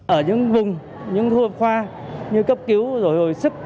ở những vùng những thu hợp khoa như cấp cứu rồi hồi sức